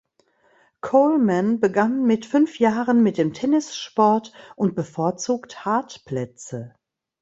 Coleman begann mit fünf Jahren mit dem Tennissport und bevorzugt Hartplätze.